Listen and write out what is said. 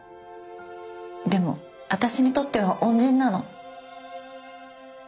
でも私にとっては恩人なの。